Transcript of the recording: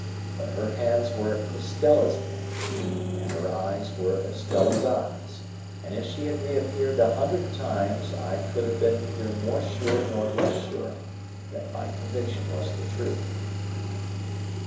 But her hands were Estella's hands, and her eyes were Estella's eyes, and if she had reappeared a hundred times I could have been neither more sure nor less sure that my conviction was the truth.